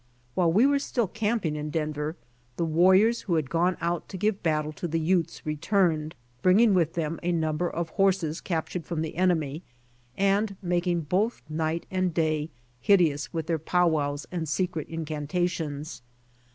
While we were still camping in Denver, the warriors who had gone out to give battle to the Utes returned, bringing with them a number of horses INFANT DENVER 55 captured from the eiiemj, and making both night and day hideous with their pow wovvs and secret incanta tions.